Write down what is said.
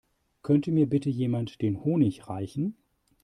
Könnte mir bitte jemand den Honig reichen?